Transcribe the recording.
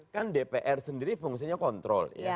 kan dpr sendiri fungsinya kontrol